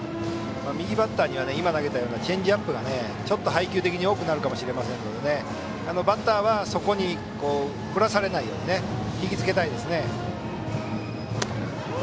右バッターにはチェンジアップがちょっと配球的に多くなるかもしれませんのでバッターは振らされないように引き付けたいですね。